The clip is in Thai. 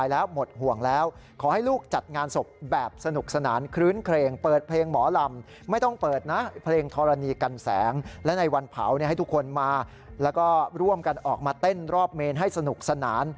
และในวันเผาให้ทุกคนมาแล้วก็ร่วมกันออกมาเต้นรอบเมนให้สนุกสนาน